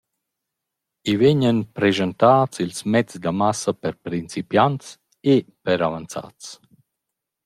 I vegnan preschantats ils mezs da massa per principiants e per avanzats.